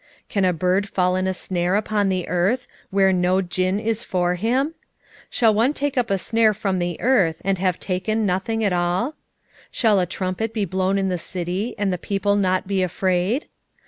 3:5 Can a bird fall in a snare upon the earth, where no gin is for him? shall one take up a snare from the earth, and have taken nothing at all? 3:6 Shall a trumpet be blown in the city, and the people not be afraid?